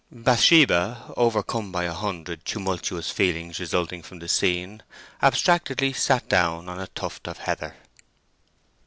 Bathsheba, overcome by a hundred tumultuous feelings resulting from the scene, abstractedly sat down on a tuft of heather.